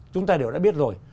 chúng ta đều đã biết rồi